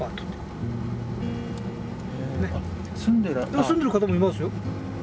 住んでる方もいますよ。